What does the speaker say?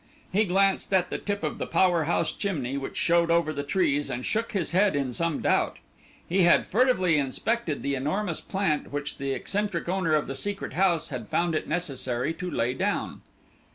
He glanced at the tip of the power house chimney which showed over the trees, and shook his head in some doubt. He had furtively inspected the enormous plant which the eccentric owner of the Secret House had found it necessary to lay down.